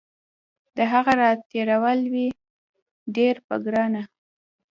د هغه راتېرول وي ډیر په ګرانه